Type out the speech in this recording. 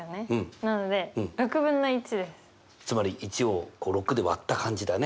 つまり１を６で割った感じだね。